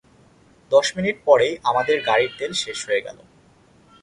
দশ মিনিট পরেই আমাদের গাড়ির তেল শেষ হয়ে গেল।